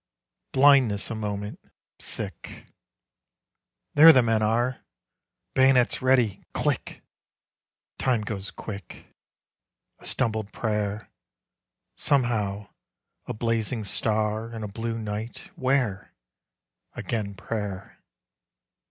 Blindness a moment. Sick. There the men are! Bayonets ready: click! Time goes quick; A stumbled prayer ... somehow a blazing star In a blue night ... where? Again prayer.